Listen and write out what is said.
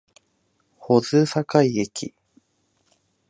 保津峡駅